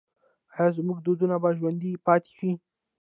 آیا زموږ دودونه به ژوندي پاتې شي؟